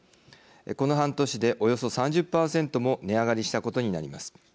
この半年でおよそ３０％も値上がりしたことになります。